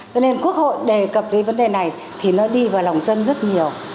cho nên quốc hội đề cập cái vấn đề này thì nó đi vào lòng dân rất nhiều